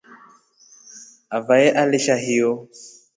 Avae alesha hiyo.